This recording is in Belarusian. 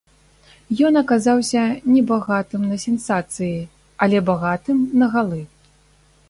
Ён аказаўся небагатым на сенсацыі, але багатым на галы.